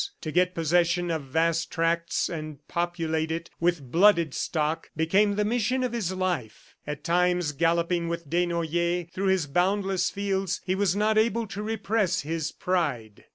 To get possession of vast tracts and populate it with blooded stock became the mission of his life. At times, galloping with Desnoyers through his boundless fields, he was not able to repress his pride.